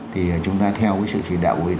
thì chúng ta theo cái sự chỉ đạo